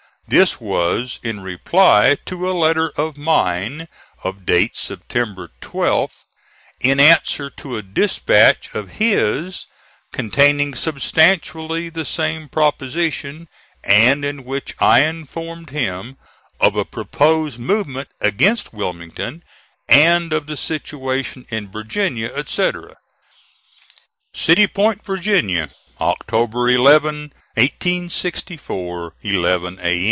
This was in reply to a letter of mine of date September 12th, in answer to a dispatch of his containing substantially the same proposition, and in which I informed him of a proposed movement against Wilmington, and of the situation in Virginia, etc. "CITY POINT, VIRGINIA, "October 11, 1864 11 A.